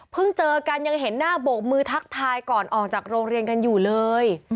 เจอกันยังเห็นหน้าโบกมือทักทายก่อนออกจากโรงเรียนกันอยู่เลย